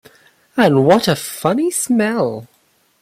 And what a funny smell!